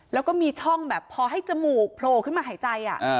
แล้วก็มีช่องแบบพอให้จมูกโผล่ขึ้นมาหายใจ